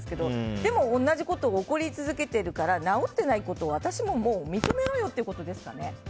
でも、同じことを怒り続けているから直っていないことを私ももう認めろよってことですかね。